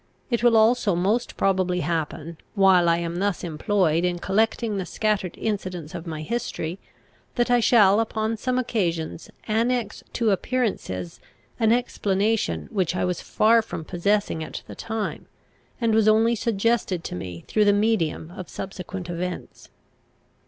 It will also most probably happen, while I am thus employed in collecting the scattered incidents of my history, that I shall upon some occasions annex to appearances an explanation which I was far from possessing at the time, and was only suggested to me through the medium of subsequent events.